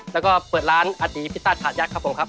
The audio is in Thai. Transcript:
แล้วก็เปิดร้านอดีตพิต้าถาดยักษ์ครับผมครับ